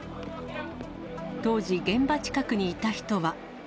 当時、現場近くにいた人は。